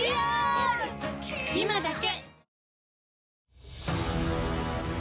今だけ！